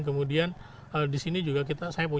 kemudian di sini juga saya punya jual minuman